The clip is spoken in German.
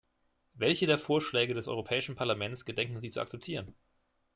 Welche der Vorschläge des Europäischen Parlaments gedenken Sie zu akzeptieren?